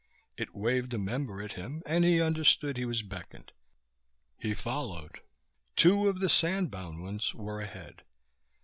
It waved a member at him and he understood he was beckoned. He followed. Two of sandbound ones were ahead.